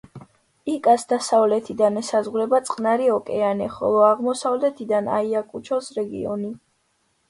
იკას დასავლეთიდან ესაზღვრება წყნარი ოკეანე, ხოლო აღმოსავლეთიდან აიაკუჩოს რეგიონი.